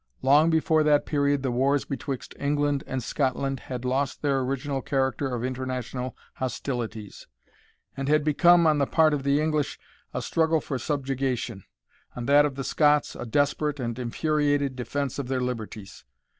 Long before that period the wars betwixt England and Scotland had lost their original character of international hostilities, and had become on the part of the English, a struggle for subjugation, on that of the Scots a desperate and infuriated defence of their liberties.